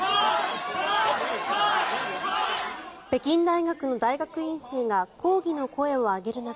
北京大学の大学院生が抗議の声を上げる中